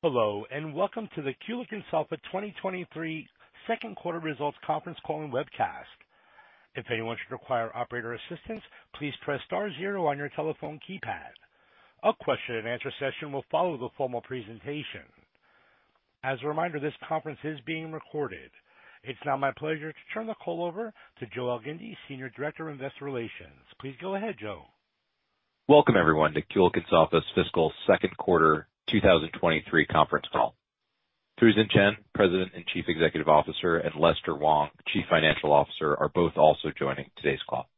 Hello, welcome to the Kulicke & Soffa 2023 second quarter results conference call and webcast. If anyone should require operator assistance, please press star zero on your telephone keypad. A question and answer session will follow the formal presentation. As a reminder, this conference is being recorded. It's now my pleasure to turn the call over to Joseph Elgindy, Senior Director of Investor Relations. Please go ahead, Joseph. Welcome everyone to Kulicke & Soffa's fiscal second quarter 2023 conference call. Fusen Chen, President and Chief Executive Officer, and Lester Wong, Chief Financial Officer, are both also joining today's call.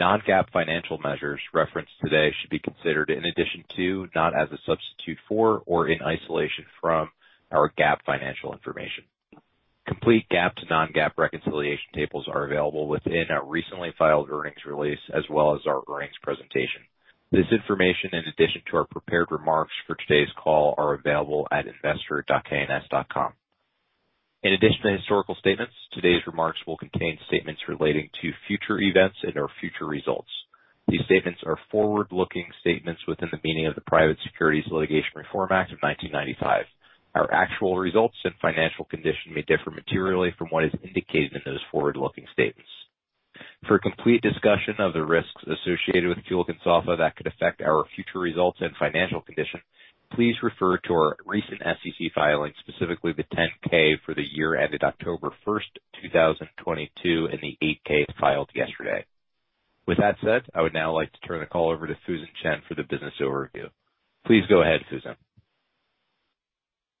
Non-GAAP financial measures referenced today should be considered in addition to, not as a substitute for or in isolation from, our GAAP financial information. Complete GAAP to non-GAAP reconciliation tables are available within our recently filed earnings release as well as our earnings presentation. This information, in addition to our prepared remarks for today's call, are available at investor.KNS.com. In addition to historical statements, today's remarks will contain statements relating to future events and/or future results. These statements are forward-looking statements within the meaning of the Private Securities Litigation Reform Act of 1995. Our actual results and financial condition may differ materially from what is indicated in those forward-looking statements. For a complete discussion of the risks associated with Kulicke & Soffa that could affect our future results and financial condition, please refer to our recent SEC filings, specifically the 10-K for the year ended October 1, 2022 and the 8-K filed yesterday. With that said, I would now like to turn the call over to Fusen Chen for the business overview. Please go ahead, Fusen.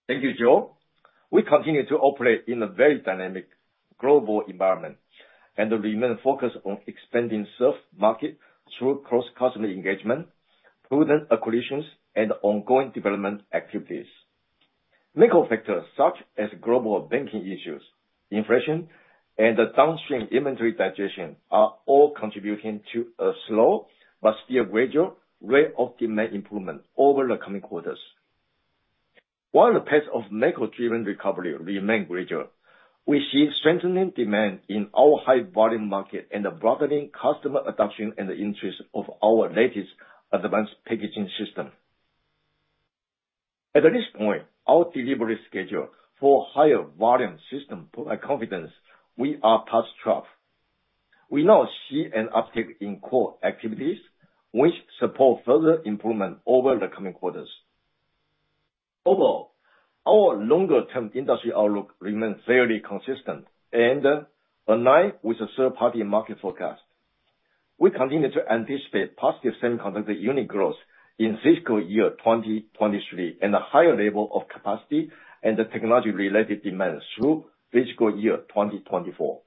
Thank you, Joe. We continue to operate in a very dynamic global environment and remain focused on expanding self-market through cross-customer engagement, prudent acquisitions, and ongoing development activities. Macro factors such as global banking issues, inflation, and downstream inventory digestion are all contributing to a slow but still gradual rate of demand improvement over the coming quarters. While the pace of macro-driven recovery remains gradual, we see strengthening demand in our high-volume market and a broadening customer adoption and interest of our latest advanced packaging system. At this point, our delivery schedule for higher volume system provide confidence we are past trough. We now see an uptick in core activities which support further improvement over the coming quarters. Overall, our longer-term industry outlook remains fairly consistent and align with the third-party market forecast. We continue to anticipate positive semiconductor unit growth in fiscal year 2023 and a higher level of capacity and the technology related demand through fiscal year 2024.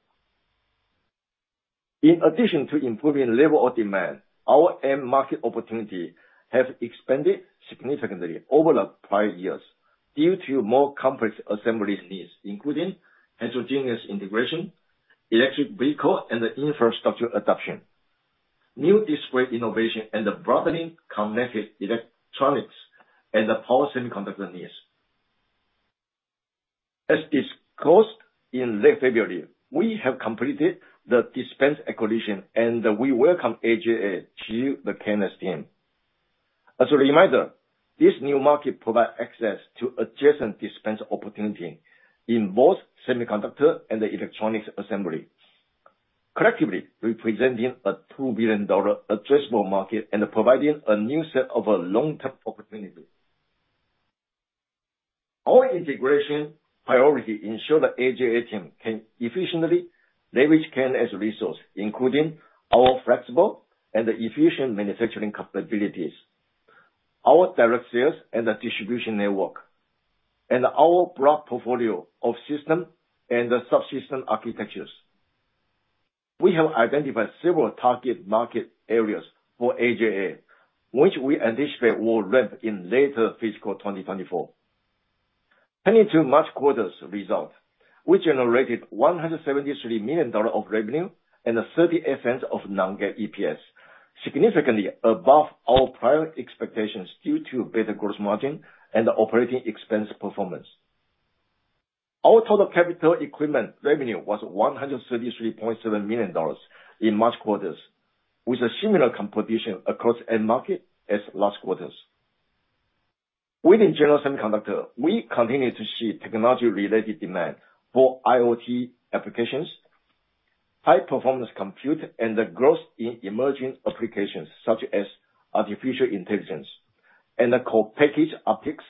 In addition to improving level of demand, our end market opportunity has expanded significantly over the prior years due to more complex assembly needs, including heterogeneous integration, electric vehicle, and infrastructure adoption, new display innovation, and the broadening connected electronics and the power semiconductor needs. As disclosed in late February, we have completed the dispense acquisition, and we welcome AJA to the KNS team. As a reminder, this new market provides access to adjacent dispense opportunity in both semiconductor and the electronics assembly, collectively representing a $2 billion addressable market and providing a new set of long-term opportunities. Our integration priority ensure the AJA team can efficiently leverage KNS resource, including our flexible and efficient manufacturing capabilities, our direct sales and distribution network, and our broad portfolio of system and the subsystem architectures. We have identified several target market areas for AJA, which we anticipate will ramp in later fiscal 2024. Turning to March quarter's result, we generated $173 million of revenue and $0.38 of non-GAAP EPS, significantly above our prior expectations due to better gross margin and operating expense performance. Our total capital equipment revenue was $133.7 million in March quarters, with a similar composition across end market as last quarters. Within general semiconductor, we continue to see technology-related demand for IoT applications, high-performance compute, and the growth in emerging applications such as artificial intelligence and the co-packaged optics.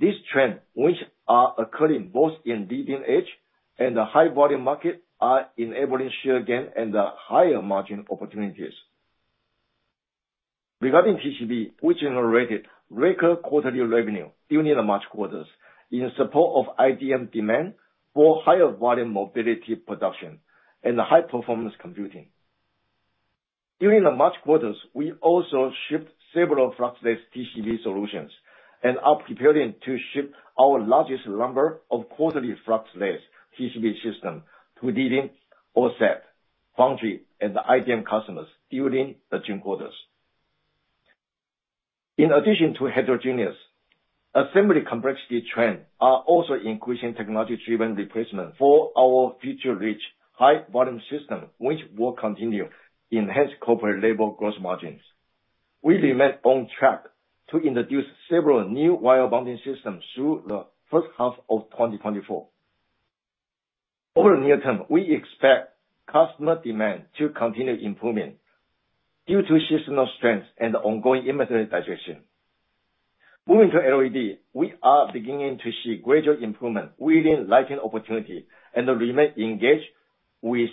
These trends, which are occurring both in leading edge and the high-volume market, are enabling share gain and higher margin opportunities. Regarding TCB, we generated record quarterly revenue during the March quarters in support of IDM demand for higher volume mobility production and high-performance computing. During the March quarters, we also shipped several fluxless TCB solutions and are preparing to ship our largest number of quarterly fluxless TCB system to leading OSAT, foundry, and IDM customers during the June quarters. In addition to heterogeneous, assembly complexity trends are also increasing technology-driven replacement for our future rich high-volume system, which will continue to enhance corporate labor gross margins. We remain on track to introduce several new wire bonding systems through the first half of 2024. Over the near term, we expect customer demand to continue improving due to seasonal strength and ongoing inventory digestion. Moving to LED, we are beginning to see gradual improvement within lighting opportunity and remain engaged with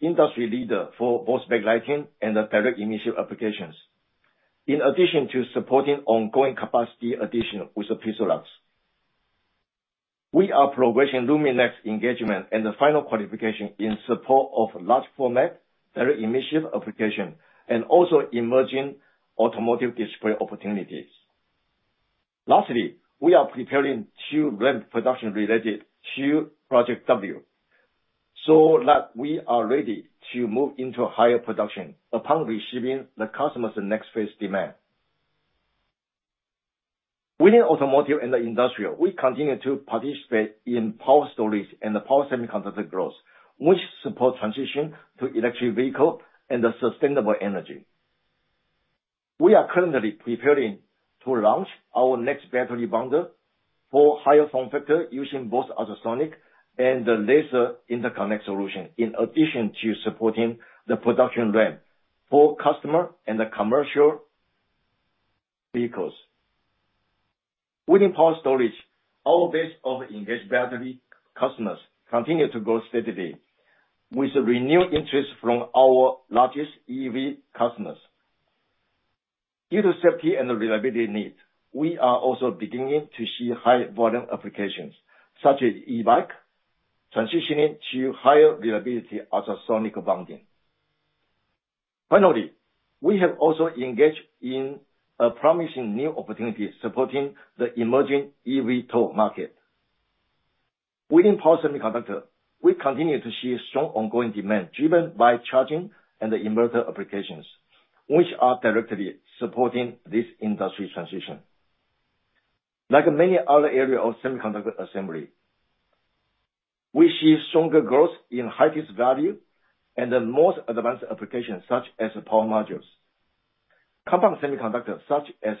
industry leader for both backlighting and the direct emission applications. In addition to supporting ongoing capacity addition with the PIXALUX. We are progressing LUMINEX engagement and the final qualification in support of large format direct emission application, and also emerging automotive display opportunities. Lastly, we are preparing to ramp production related to Project W, so that we are ready to move into higher production upon receiving the customer's next phase demand. Within automotive and the industrial, we continue to participate in power storage and the power semiconductor growth, which support transition to electric vehicle and the sustainable energy. We are currently preparing to launch our next battery bonder for higher form factor using both ultrasonic and laser interconnect solution. In addition to supporting the production ramp for customer and the commercial vehicles. Within power storage, our base of engaged battery customers continue to grow steadily with renewed interest from our largest EV customers. Due to safety and reliability needs, we are also beginning to see high volume applications such as e-bike transitioning to higher reliability ultrasonic bonding. Finally, we have also engaged in a promising new opportunity supporting the emerging EV tow market. Within power semiconductor, we continue to see strong ongoing demand driven by charging and the inverter applications, which are directly supporting this industry transition. Like many other areas of semiconductor assembly, we see stronger growth in highest value and the most advanced applications such as power modules. Compound semiconductors such as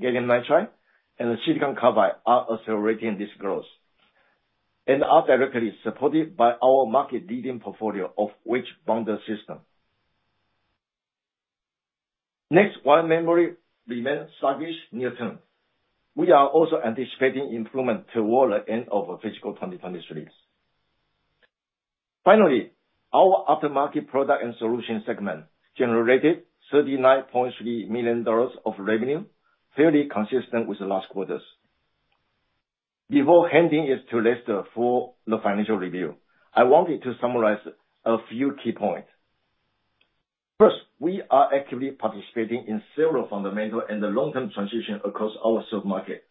gallium nitride and silicon carbide are accelerating this growth and are directly supported by our market leading portfolio of rich bonder system. Next one, memory remains sluggish near term. We are also anticipating improvement toward the end of fiscal 2023. Finally, our aftermarket product and solutions segment generated $39.3 million of revenue, fairly consistent with last quarters. Before handing it to Lester for the financial review, I wanted to summarize a few key points. First, we are actively participating in several fundamental and the long-term transition across our served market.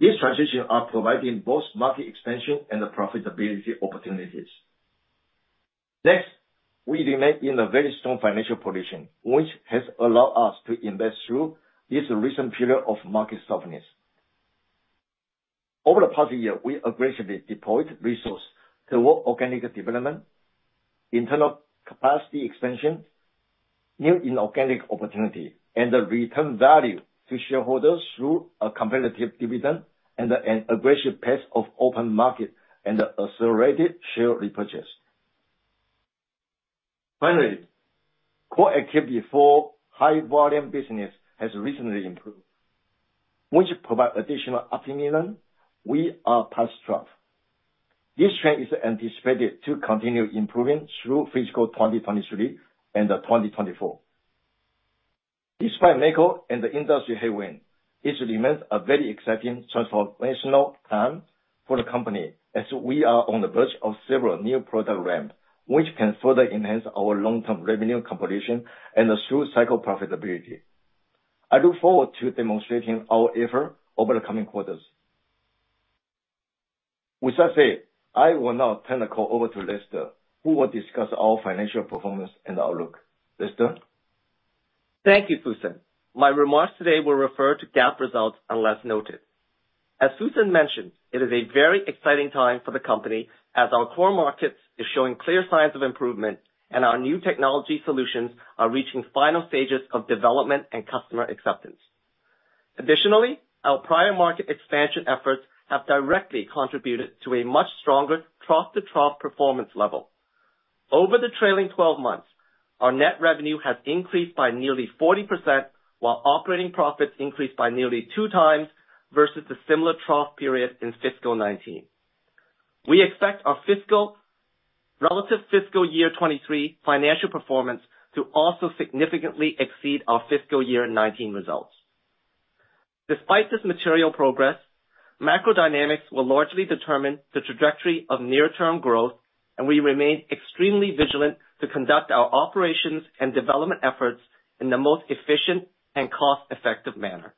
These transitions are providing both market expansion and profitability opportunities. Next, we remain in a very strong financial position, which has allowed us to invest through this recent period of market softness. Over the past year, we aggressively deployed resources toward organic development, internal capacity expansion, new inorganic opportunity, and return value to shareholders through a competitive dividend and an aggressive pace of open market and accelerated share repurchase. Finally, core activity for high volume business has recently improved, which provide additional optimism we are past trough. This trend is anticipated to continue improving through fiscal 2023 and 2024. Despite macro and the industry headwind, it remains a very exciting transformational time for the company as we are on the verge of several new product ramp, which can further enhance our long-term revenue composition and through cycle profitability. I look forward to demonstrating our effort over the coming quarters. With that said, I will now turn the call over to Lester, who will discuss our financial performance and outlook. Lester? Thank you, Fusen. My remarks today will refer to GAAP results unless noted. As Fusen mentioned, it is a very exciting time for the company as our core markets is showing clear signs of improvement and our new technology solutions are reaching final stages of development and customer acceptance. Our prior market expansion efforts have directly contributed to a much stronger trough-to-trough performance level. Over the trailing 12 months, our net revenue has increased by nearly 40%, while operating profits increased by nearly 2 times versus the similar trough period in fiscal 2019. We expect our fiscal, relative fiscal year 2023 financial performance to also significantly exceed our fiscal year 2019 results. Despite this material progress, macro dynamics will largely determine the trajectory of near-term growth, and we remain extremely vigilant to conduct our operations and development efforts in the most efficient and cost-effective manner.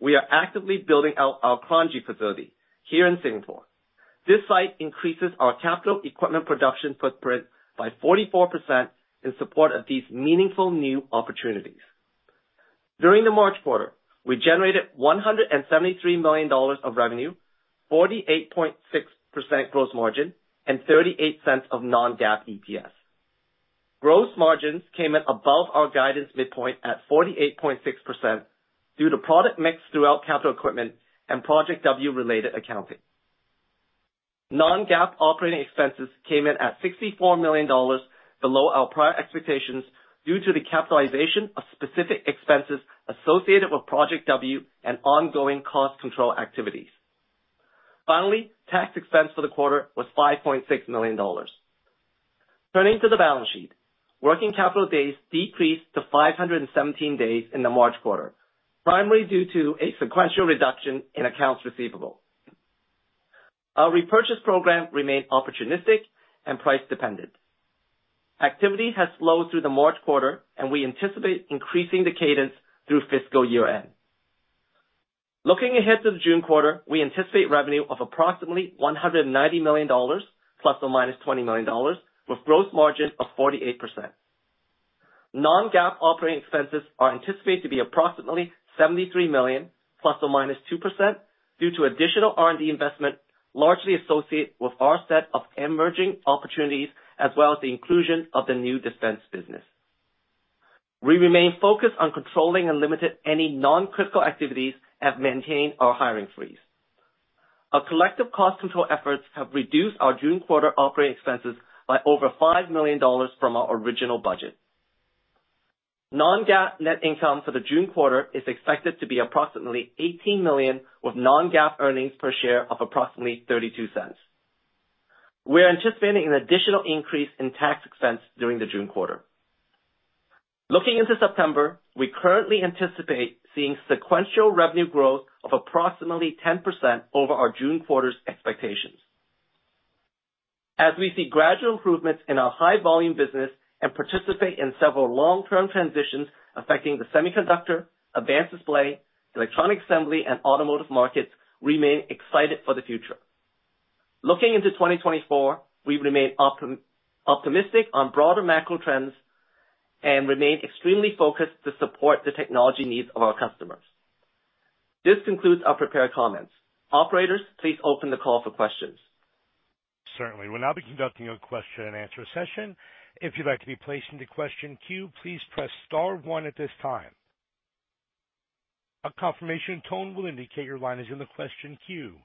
We are actively building out our Kranji facility here in Singapore. This site increases our capital equipment production footprint by 44% in support of these meaningful new opportunities. During the March quarter, we generated $173 million of revenue, 48.6% gross margin, and $0.38 of non-GAAP EPS. Gross margins came in above our guidance midpoint at 48.6% due to product mix throughout capital equipment and Project W related accounting. Non-GAAP operating expenses came in at $64 million, below our prior expectations due to the capitalization of specific expenses associated with Project W and ongoing cost control activities. Tax expense for the quarter was $5.6 million. Turning to the balance sheet. Working capital days decreased to 517 days in the March quarter, primarily due to a sequential reduction in accounts receivable. Our repurchase program remained opportunistic and price dependent. Activity has slowed through the March quarter. We anticipate increasing the cadence through fiscal year-end. Looking ahead to the June quarter, we anticipate revenue of approximately $190 million ±$20 million with gross margins of 48%. Non-GAAP operating expenses are anticipated to be approximately $73 million ±2% due to additional R&D investment, largely associated with our set of emerging opportunities as well as the inclusion of the new dispense business. We remain focused on controlling and limited any non-critical activities and maintaining our hiring freeze. Our collective cost control efforts have reduced our June quarter operating expenses by over $5 million from our original budget. Non-GAAP net income for the June quarter is expected to be approximately $18 million, with non-GAAP earnings per share of approximately $0.32. We are anticipating an additional increase in tax expense during the June quarter. Looking into September, we currently anticipate seeing sequential revenue growth of approximately 10% over our June quarter's expectations. As we see gradual improvements in our high volume business and participate in several long-term transitions affecting the semiconductor, advanced display, electronic assembly, and automotive markets, remain excited for the future. Looking into 2024, we remain optimistic on broader macro trends and remain extremely focused to support the technology needs of our customers. This concludes our prepared comments. Operators, please open the call for questions. Certainly. We'll now be conducting a question-and-answer session. If you'd like to be placed into question queue, please press star one at this time. A confirmation tone will indicate your line is in the question queue.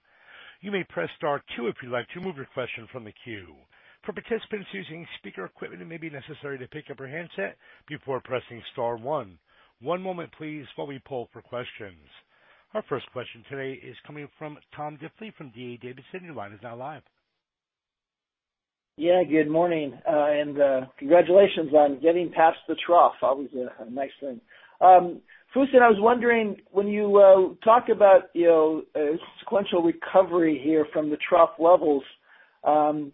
You may press star two if you'd like to remove your question from the queue. For participants using speaker equipment, it may be necessary to pick up your handset before pressing star one. One moment please while we pull for questions. Our first question today is coming from Tom Diffely from D.A. Davidson. Your line is now live. Yeah, good morning, and congratulations on getting past the trough. Always a nice thing. Fu, I was wondering, when you talk about, you know, sequential recovery here from the trough levels, can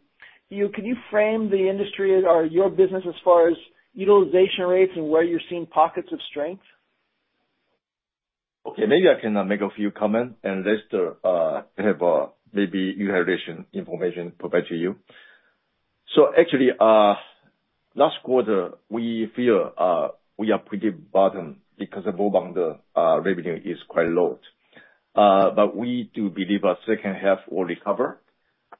you frame the industry or your business as far as utilization rates and where you're seeing pockets of strength? Okay. Maybe I can make a few comments and Lester have maybe utilization information provided to you. Actually, last quarter, we feel we are pretty bottom because the broadband revenue is quite low. We do believe that second half will recover.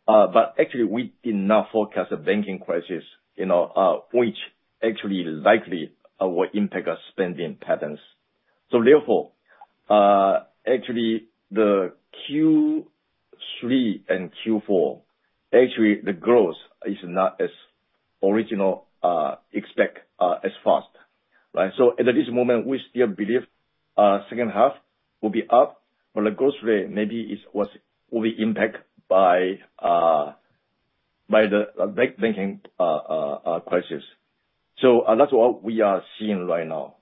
Actually we did not forecast the banking crisis, you know, which actually likely will impact our spending patterns. Therefore, actually the Q3 and Q4, actually the growth is not as original expect as fast. At this moment, we still believe second half will be up, but the growth rate maybe is what will be impacted by the banking crisis. That's what we are seeing right now.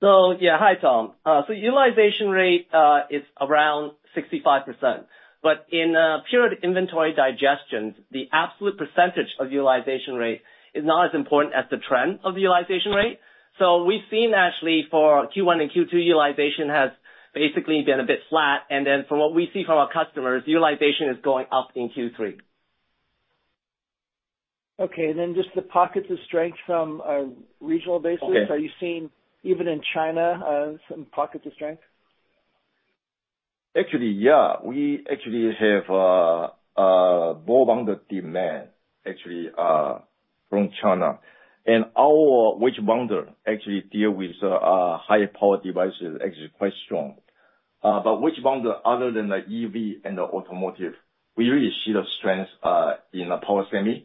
Utilization rate? Yeah. Hi, Tom. Utilization rate is around 65%, but in a period inventory digestion, the absolute percentage of utilization rate is not as important as the trend of utilization rate. We've seen actually for Q1 and Q2, utilization has basically been a bit flat. From what we see from our customers, utilization is going up in Q3. Okay. Just the pockets of strength from a regional basis. Okay. Are you seeing even in China, some pockets of strength? Actually, yeah. We actually have a broadband demand actually from China. Our wedge binder actually deal with high power devices, actually quite strong. Wedge binder other than the EV and the automotive, we really see the strength in the power semi.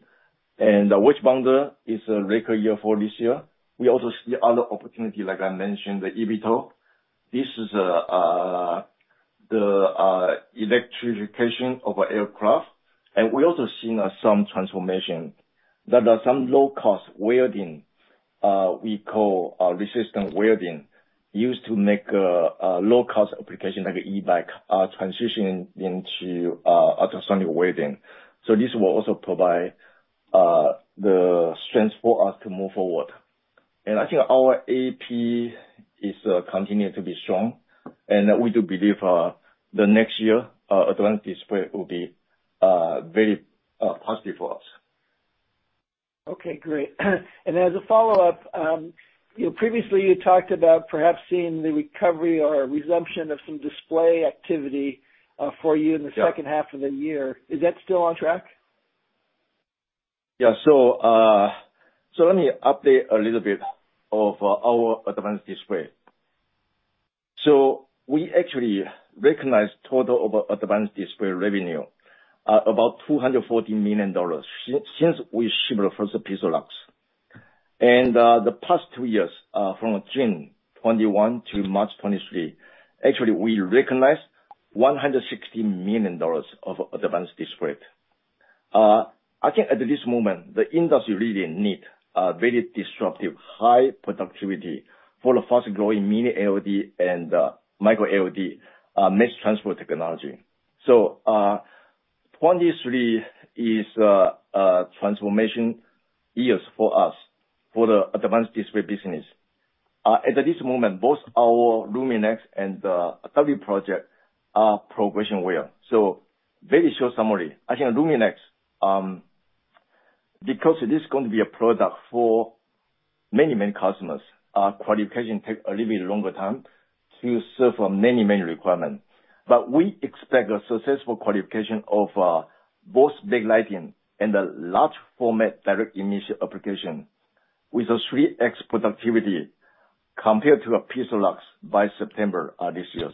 The wedge binder is a record year for this year. We also see other opportunity, like I mentioned, the eVTOL. This is the electrification of aircraft. We also seen some transformation. There are some low cost welding, we call resistance welding, used to make a low cost application like an e-bike, transitioning into ultrasonic welding. This will also provide the strength for us to move forward. I think our AP is continuing to be strong and we do believe the next year advanced display will be very positive for us. Okay, great. As a follow-up, you know, previously you talked about perhaps seeing the recovery or a resumption of some display activity, for you in the second half of the year. Is that still on track? Yeah. Let me update a little bit of our advanced display. We actually recognized total of advanced display revenue about $240 million since we shipped the first PIXALUX. The past two years, from June 2021 to March 2023, actually, we recognized $160 million of advanced display. I think at this moment, the industry really need a very disruptive, high productivity for the fast-growing Mini-LED and Micro-LED mixed transport technology. 2023 is a transformation years for us for the advanced display business. At this moment, both our LUMINEX and the Project W are progressing well. Very short summary, I think LUMINEX, because it is going to be a product for many, many customers, our qualification take a little bit longer time to serve many, many requirements. We expect a successful qualification of both backlighting and the large format direct initial application with a 3x productivity compared to a PIXALUX by September this year.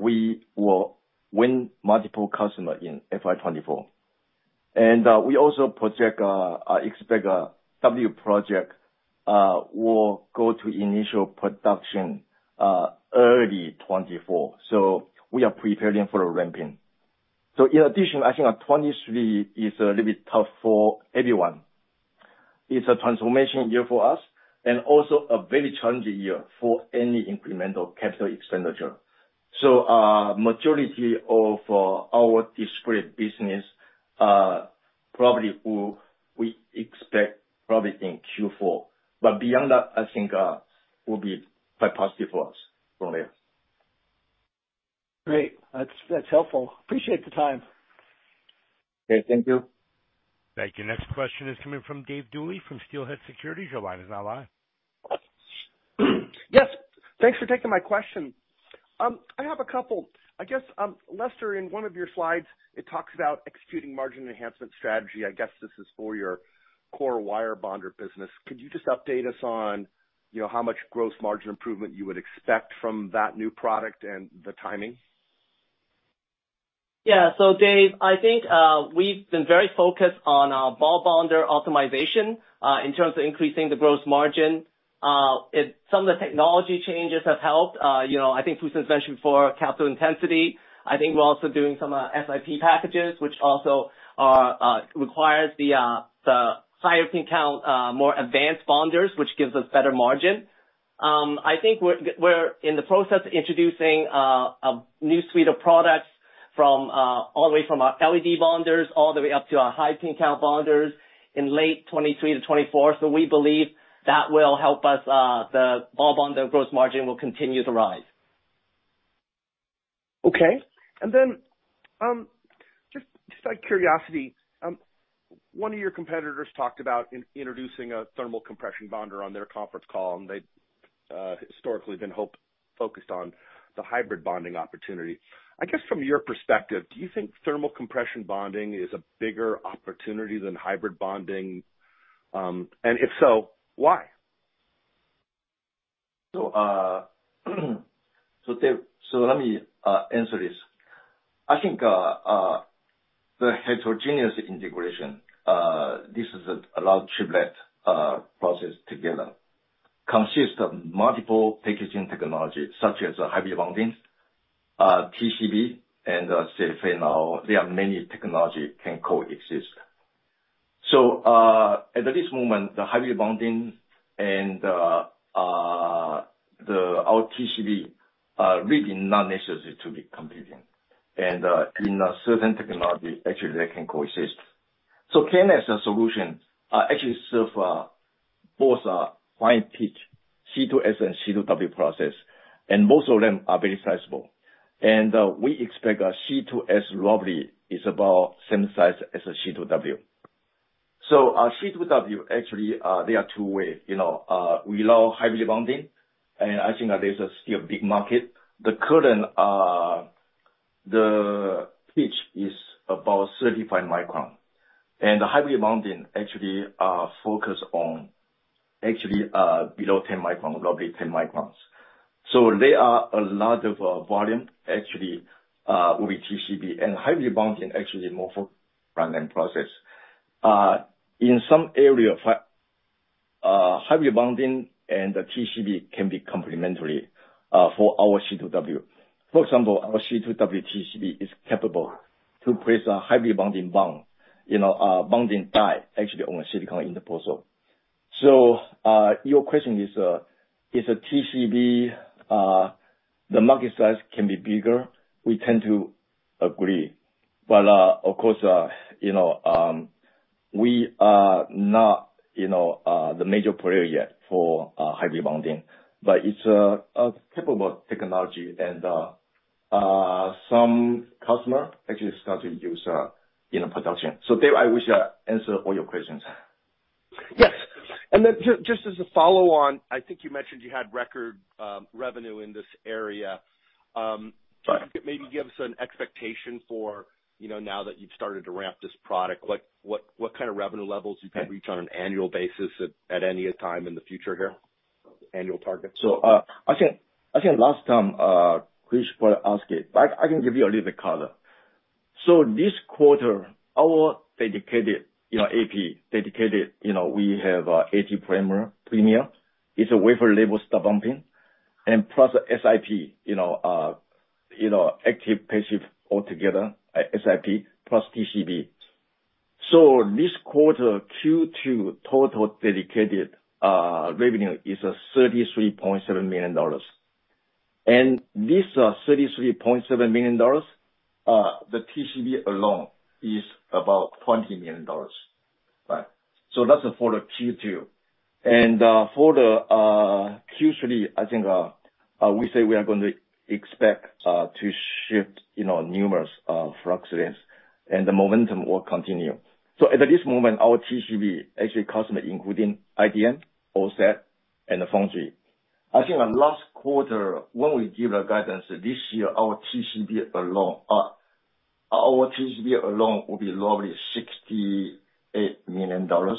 We will win multiple customer in FY 2024. We also expect Project W will go to initial production early 2024. We are preparing for a ramping. In addition, I think 2023 is a little bit tough for everyone. It's a transformation year for us and also a very challenging year for any incremental capital expenditure. Majority of our display business we expect probably in Q4. Beyond that, I think will be quite positive for us from there. Great. That's helpful. Appreciate the time. Okay. Thank you. Thank you. Next question is coming from David Duley from Steelhead Securities. Your line is now live. Yes, thanks for taking my question. I have a couple. I guess, Lester, in one of your slides, it talks about executing margin enhancement strategy. I guess this is for your core wire bonder business. Could you just update us on, you know, how much gross margin improvement you would expect from that new product and the timing? Yeah. Dave, I think we've been very focused on ball bonder optimization in terms of increasing the gross margin. Some of the technology changes have helped. You know, I think Fu-Sun mentioned for capital intensity. I think we're also doing some SiP packages, which also requires the higher pin count, more advanced bonders, which gives us better margin. I think we're in the process of introducing a new suite of products from all the way from our LED bonders all the way up to our high pin count bonders in late 2023 to 2024. We believe that will help us, the ball bonder gross margin will continue to rise. Okay. Just out of curiosity, one of your competitors talked about introducing a thermal compression bonder on their conference call, and they've historically been focused on the hybrid bonding opportunity. I guess from your perspective, do you think thermal compression bonding is a bigger opportunity than hybrid bonding? And if so, why? Dave, let me answer this. I think the heterogeneous integration, this is a large triplet process together, consists of multiple packaging technologies such as hybrid bonding, TCB, and say, you know, there are many technology can coexist. At this moment, the hybrid bonding and the TCB are really not necessary to be competing. In a certain technology, actually, they can coexist. Can as a solution, actually serve both a fine pitch C2S and C2W process, and most of them are very sizable. We expect our C2S roughly is about same size as a C2W. Our C2W actually, there are two ways. You know, we allow hybrid bonding, and I think that is still a big market. The current, the pitch is about 35 micron, and the hybrid bonding actually focus on actually below 10 micron, roughly 10 microns. There are a lot of volume actually with TCB and hybrid bonding, actually more front-end process. In some area, hybrid bonding and the TCB can be complementary for our C2W. For example, our C2W TCB is capable to place a hybrid bonding bond, you know, bonding die actually on a silicon interposer. Your question is a TCB, the market size can be bigger? We tend to agree. Of course, you know, we are not, you know, the major player yet for hybrid bonding, but it's a capable technology, and some customer actually start to use, you know, production. Dave, I wish I answer all your questions. Yes. Just as a follow on, I think you mentioned you had record revenue in this area. Right. Maybe give us an expectation for, you know, now that you've started to ramp this product, like what kind of revenue levels you can reach on an annual basis at any time in the future here? Annual target. I think last time Krish asked it. I can give you a little color. This quarter, our dedicated, you know, AP, dedicated, you know, we have AG premier. It's a wafer-level solder bumping and plus SiP, you know, active passive altogether, SiP plus TCB. This quarter, Q2 total dedicated revenue is $33.7 million. This $33.7 million, the TCB alone is about $20 million. Right? That's for the Q2. For the Q3, I think, we say we are going to expect to ship, you know, numerous Flexarrays, and the momentum will continue. At this moment, our TCB, actually customer including IDM, OSAT, and the foundry. I think last quarter, when we give the guidance this year, our TCB alone will be roughly $68 million. I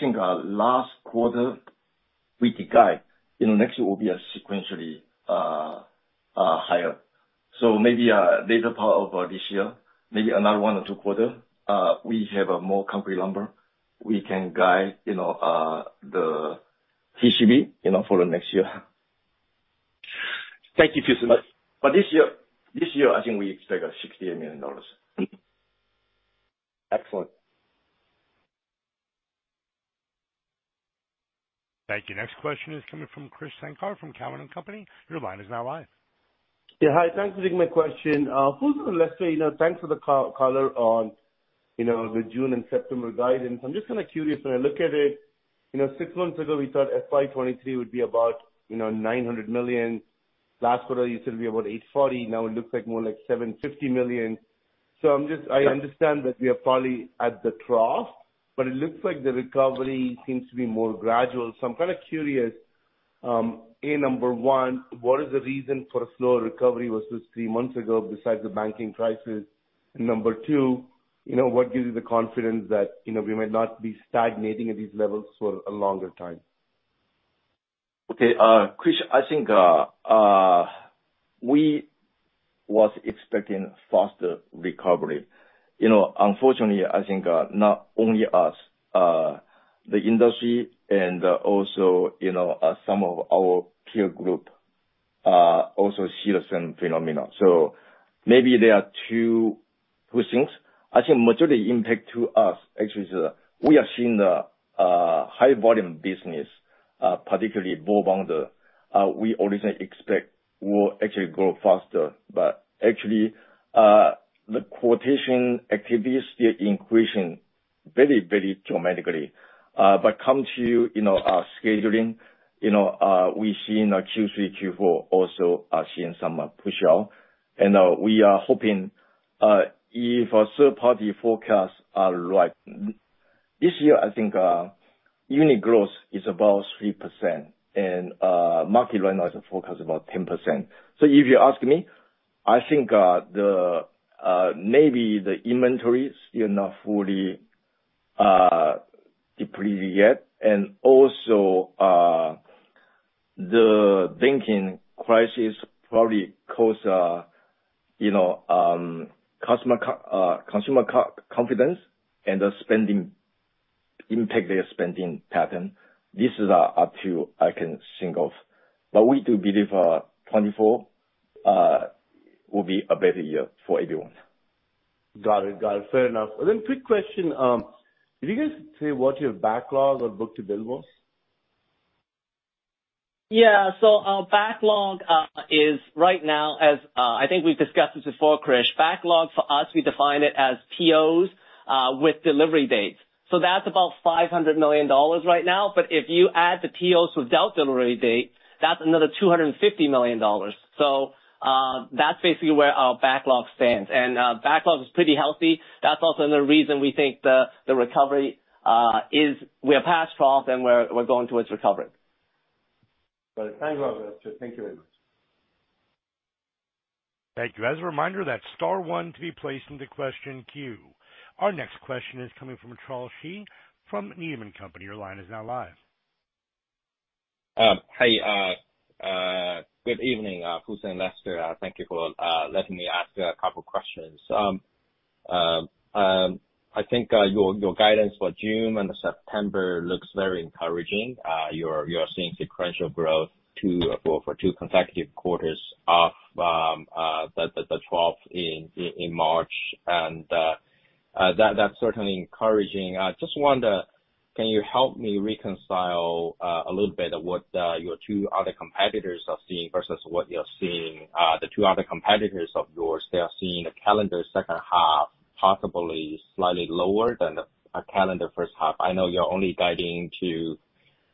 think, last quarter, we guide, you know, next year will be a sequentially higher. Maybe later part of this year, maybe another one or two quarter, we have a more concrete number. We can guide, you know, the TCB, you know, for the next year. Thank you, Fu, so much. This year, I think we expect $68 million. Excellent. Thank you. Next question is coming from Krish Sankar from Cowen and Company. Your line is now live. Yeah. Hi, thanks for taking my question. Fu and Lester, you know, thanks for the co-color on, you know, the June and September guidance. I'm just kinda curious when I look at it, you know, six months ago, we thought FY 2023 would be about, you know, $900 million. Last quarter used to be about $840 million, now it looks like more like $750 million. I understand that we are probably at the trough, but it looks like the recovery seems to be more gradual. I'm kinda curious, A, number one, what is the reason for a slower recovery versus three months ago besides the banking crisis? Number two, you know, what gives you the confidence that, you know, we might not be stagnating at these levels for a longer time? Krish, I think, we was expecting faster recovery. You know, unfortunately, I think, not only us, the industry and also, you know, some of our peer group, also see the same phenomena. Maybe there are two things. I think majority impact to us actually is, we are seeing the, high volume business, particularly ball binder, we originally expect will actually grow faster. Actually, the quotation activities still increasing very, very dramatically. Come to, you know, scheduling, you know, we see in Q3, Q4 also are seeing some push out. We are hoping, if our third party forecasts are right, this year I think, unit growth is about 3% and, market right now is forecast about 10%. If you ask me, I think, the, maybe the inventories still not fully depleted yet. Also, the banking crisis probably cause, you know, consumer confidence and the spending impact their spending pattern. This is up to I can think of. We do believe, 2024, will be a better year for everyone. Got it. Got it. Fair enough. Then quick question, did you guys say what your backlog or book-to-bill was? Yeah. Our backlog is right now as I think we've discussed this before, Krish. Backlog for us, we define it as POs with delivery dates. That's about $500 million right now. If you add the POs with delta delivery date, that's another $250 million. That's basically where our backlog stands. Backlog is pretty healthy. That's also another reason we think the recovery is we are past trough and we're going towards recovery. Got it. Thanks a lot, Lester. Thank you very much. Thank you. As a reminder, that's star one to be placed into question queue. Our next question is coming from Charles Shi from Needham & Company. Your line is now live. Hi. Good evening, Fu and Lester. Thank you for letting me ask a couple questions. I think your guidance for June and September looks very encouraging. You are seeing sequential growth 2 for 2 consecutive quarters of the trough in March. That's certainly encouraging. I just wonder, can you help me reconcile a little bit of what your 2 other competitors are seeing versus what you're seeing? The 2 other competitors of yours, they are seeing the calendar second half possibly slightly lower than the calendar first half. I know you're only guiding to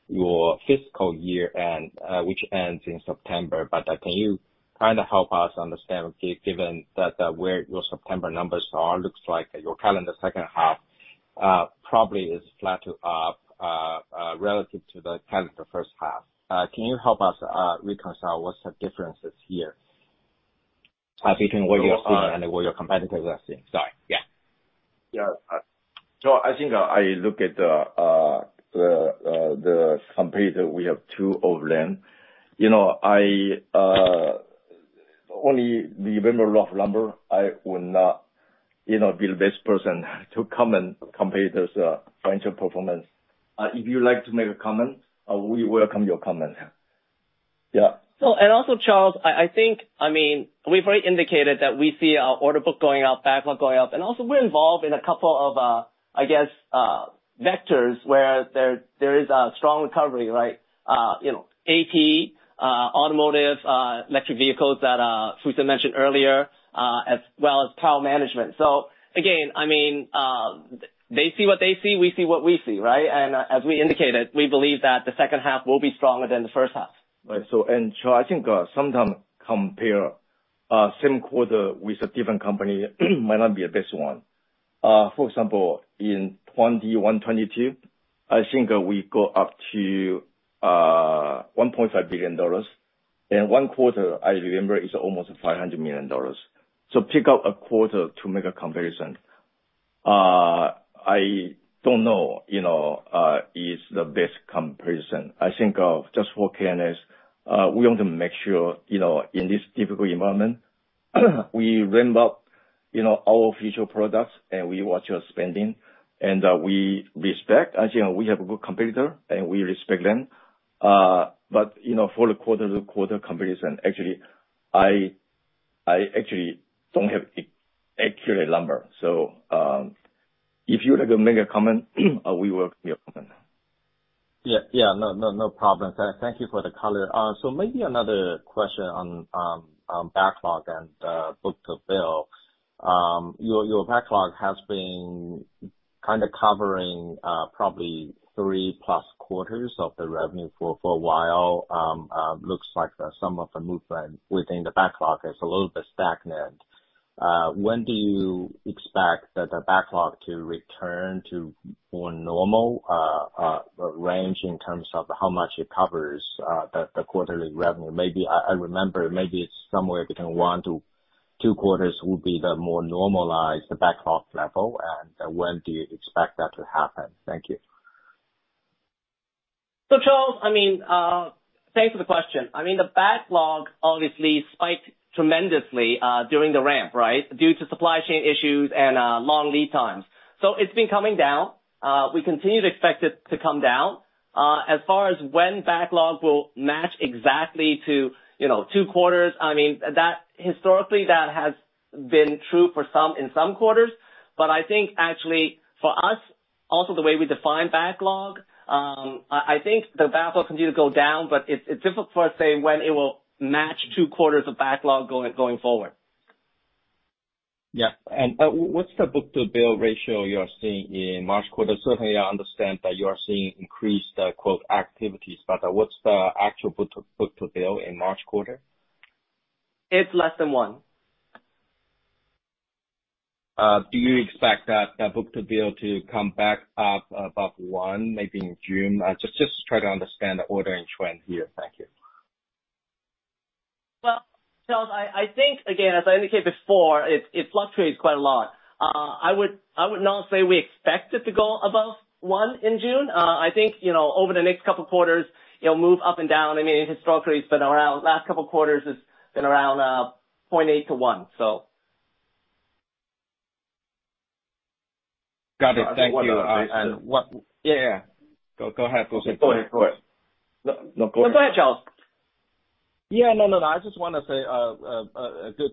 your fiscal year end, which ends in September. Can you kinda help us understand given that where your September numbers are, looks like your calendar second half probably is flat to up relative to the calendar first half. Can you help us reconcile what's the differences here between what you're seeing and what your competitors are seeing? Sorry, yeah. Yeah. I think I look at the competitor, we have two of them. You know, I only remember rough number. I will not, you know, be the best person to come and compare this financial performance. If you like to make a comment, we welcome your comment. Yeah. Charles, I think, I mean, we've already indicated that we see our order book going up, backlog going up. We're involved in a couple of, I guess, vectors where there is a strong recovery, right? You know, AP, automotive, electric vehicles that Fusen mentioned earlier, as well as power management. Again, I mean, they see what they see, we see what we see, right? As we indicated, we believe that the second half will be stronger than the first half. Right. Charles, I think sometimes compare same quarter with a different company might not be the best one. For example, in 2021, 2022, I think we go up to $1.5 billion. In one quarter, I remember, it's almost $500 million. Pick up a quarter to make a comparison, I don't know, you know, is the best comparison. I think of just for KNS, we want to make sure, you know, in this difficult environment, we ramp up, you know, our future products and we watch our spending. We respect, as you know, we have a good competitor and we respect them. You know, for the quarter-to-quarter comparison, actually, I actually don't have accurate number. If you'd like to make a comment, we welcome your comment. Yeah. Yeah. No, no problems. Thank you for the color. Maybe another question on backlog and book-to-bill. Your backlog has been kinda covering, probably three-plus quarters of the revenue for a while. Looks like some of the movement within the backlog is a little bit stagnant. When do you expect the backlog to return to more normal range in terms of how much it covers the quarterly revenue? Maybe I remember it's somewhere between one to two quarters will be the more normalized backlog level. When do you expect that to happen? Thank you. Charles, I mean, thanks for the question. I mean, the backlog obviously spiked tremendously during the ramp, right? Due to supply chain issues and long lead times. It's been coming down. We continue to expect it to come down. As far as when backlog will match exactly to, you know, 2 quarters, I mean, that historically, that has been true for some, in some quarters. I think actually for us, also the way we define backlog, I think the backlog continue to go down, but it's difficult for us to say when it will match 2 quarters of backlog going forward. Yeah. What's the book-to-bill ratio you're seeing in March quarter? Certainly, I understand that you are seeing increased quote activities, what's the actual book to bill in March quarter? It's less than 1. Do you expect that book to bill to come back up above 1 maybe in June? Just try to understand the ordering trend here. Thank you. Well, Charles, I think again, as I indicated before, it fluctuates quite a lot. I would not say we expect it to go above 1 in June. I think, you know, over the next 2 quarters, it'll move up and down. I mean, historically, it's been around, last 2 quarters it's been around, 0.8-1. Got it. Thank you. I just wanna ask- One... Yeah, yeah. Go ahead, Fu-san. Go ahead. No, go ahead. No, go ahead, Charles. Yeah. No, no. I just wanna say,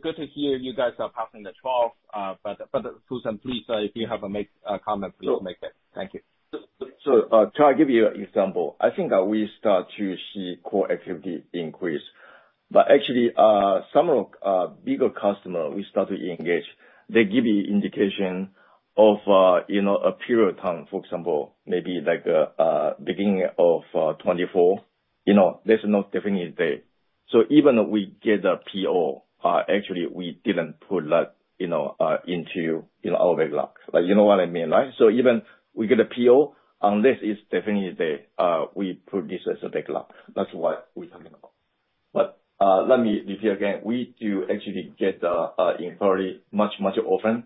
good to hear you guys are passing the trials. But Fu-san, please, if you have a make comment, please make it. Thank you. Charles, I'll give you an example. I think, we start to see core activity increase. Actually, some of bigger customer we start to engage, they give you indication of, you know, a period time, for example, maybe like beginning of 2024. You know, there's no definite date. Even if we get a PO, actually, we didn't put that, you know, into, you know, our backlog. Like, you know what I mean, right? Even we get a PO, unless it's definite date, we put this as a backlog. That's what we're talking about. Let me repeat again, we do actually get inquiry much often.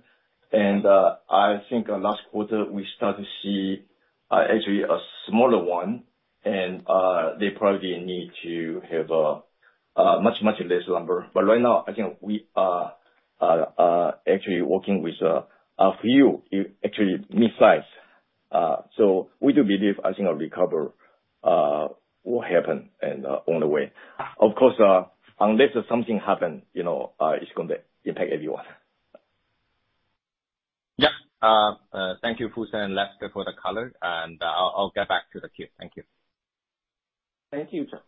I think last quarter we start to see actually a smaller one and they probably need to have much, much less number. Right now, I think we are actually working with a few actually midsize. We do believe, I think a recover will happen and on the way. Of course, unless something happen, you know, it's gonna impact everyone. Yeah. Thank you, Fu-san and Lester for the color. I'll get back to the queue. Thank you. Thank you, Charles.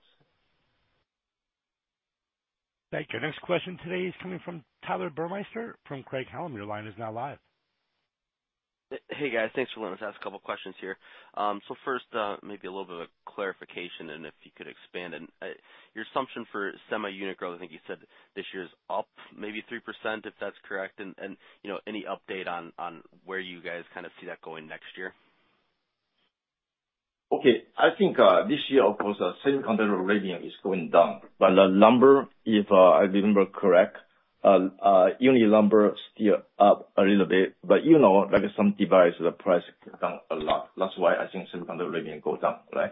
Thank you. Next question today is coming from Tyler Burmeister from Craig-Hallum. Your line is now live. Hey guys. Thanks for letting us ask a couple of questions here. First, maybe a little bit of clarification and if you could expand on your assumption for semi unit growth. I think you said this year's up maybe 3%, if that's correct, and, you know, any update on where you guys kinda see that going next year? Okay. I think this year, of course, the same content of iridium is going down. The number, if I remember correct, unit number still up a little bit. You know, like some devices, the price came down a lot. That's why I think same content of iridium go down, right?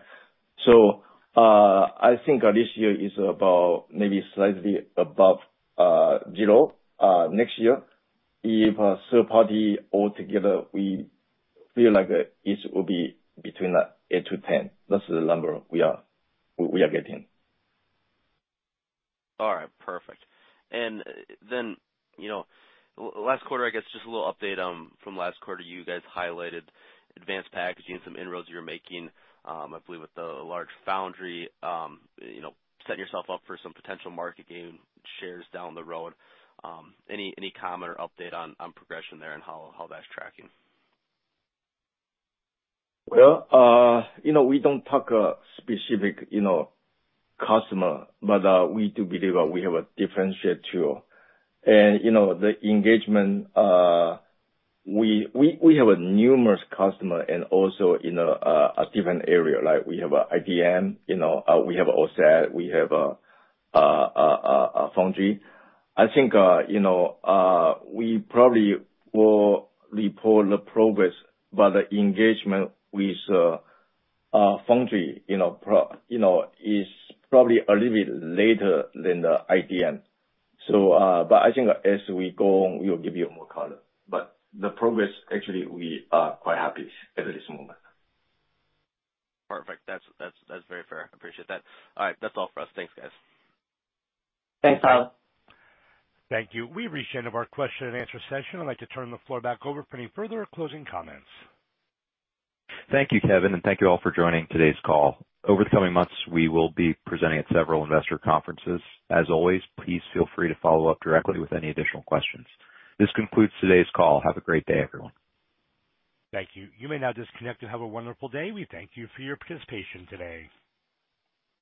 I think this year is about maybe slightly above zero. Next year, if third party all together, we feel like it will be between, like, 8-10. That's the number we are getting. All right. Perfect. Then, you know, last quarter, I guess, just a little update from last quarter, you guys highlighted advanced packaging, some inroads you're making, I believe with the large foundry, you know, set yourself up for some potential market gain shares down the road. Any, any comment or update on progression there and how that's tracking? Well, you know, we don't talk specific, you know, customer, but we do believe we have a differentiated tool. You know, the engagement, we have numerous customer and also in a different area. Like we have IBM, you know, we have OSAT, we have a foundry. I think, you know, we probably will report the progress, but the engagement with a foundry, you know, is probably a little bit later than the IBM. But I think as we go on, we'll give you more color. The progress actually we are quite happy at this moment. Perfect. That's very fair. I appreciate that. All right, that's all for us. Thanks, guys. Thanks, Tyler. Thank you. We've reached the end of our question and answer session. I'd like to turn the floor back over for any further closing comments. Thank you, Kevin, and thank you all for joining today's call. Over the coming months, we will be presenting at several investor conferences. As always, please feel free to follow up directly with any additional questions. This concludes today's call. Have a great day, everyone. Thank you. You may now disconnect and have a wonderful day. We thank you for your participation today.